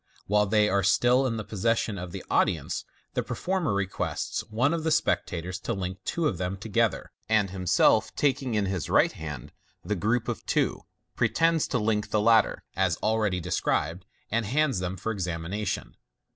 While they are still in the posses sion of the audience, the performer requests one of the spectators to link two of them together, and himself taking in his right hand the group of two, pretends to link the latter, as already described, and hands them for examination.